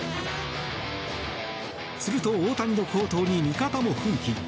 すると、大谷の好投に味方も奮起。